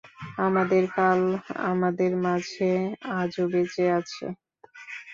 আমাদের কাল আমাদের মাঝে আজও বেঁচে আছে।